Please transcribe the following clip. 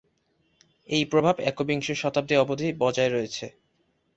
এই প্রভাব একবিংশ শতাব্দী অবধি বজায় রয়েছে।